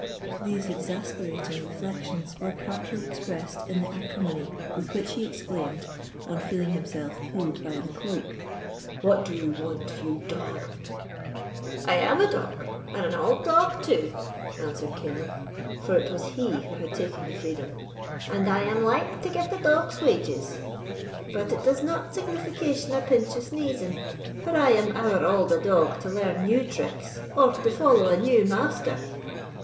These exasperating reflections were partly expressed in the acrimony with which he exclaimed, on feeling himself pulled by the cloak: "What do you want, you dog?" "I am a dog, and an auld dog too," answered Caleb, for it was he who had taken the freedom, "and I am like to get a dog's wages; but it does not signification a pinch of sneesing, for I am ower auld a dog to learn new tricks, or to follow a new master."